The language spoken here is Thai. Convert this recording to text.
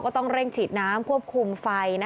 ต้องเร่งฉีดน้ำควบคุมไฟ